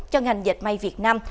cho ngành dạch may việt nam